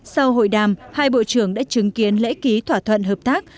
sau hội đàm hai bộ trưởng đã chứng kiến lễ ký thỏa thuận hợp tác